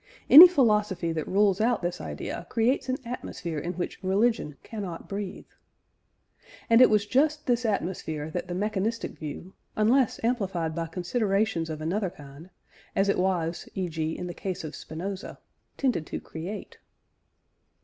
Any philosophy that rules out this idea creates an atmosphere in which religion cannot breathe. And it was just this atmosphere that the mechanistic view, unless amplified by considerations of another kind (as it was e.g. in the case of Spinoza) tended to create.